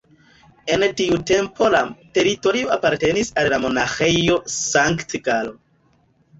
En tiu tempo la teritorio apartenis al la Monaĥejo Sankt-Galo.